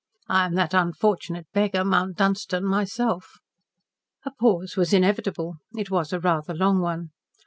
I am that unfortunate beggar, Mount Dunstan, myself." A pause was inevitable. It was a rather long one.